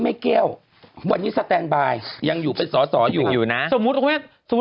แม่แก้ววันนี้สแตนบายยังอยู่เป็นสอสออยู่อยู่นะสมมุติว่าสมมุติ